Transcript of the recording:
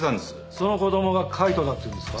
その子どもが海人だっていうんですか？